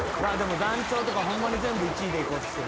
団長とかホンマに全部１位でいこうとしてる。